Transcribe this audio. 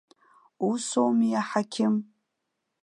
Усоуми, аҳақьым?!